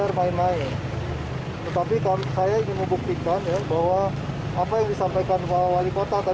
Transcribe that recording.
pembatasan tersebut diperlukan untuk mengembangkan keuntungan masyarakat